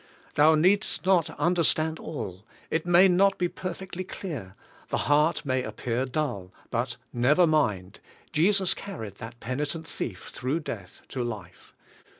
Thou needst not understand all. It may not be per fectly clear; the heart may appear dull, but never mind; Jesus carried that penitent thief through death to life.